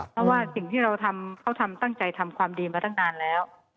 เพราะว่าสิ่งที่เราทำเขาทำตั้งใจทำความดีมาตั้งนานแล้ว